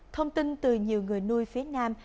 thông tin từ nhiều người nuôi phía nam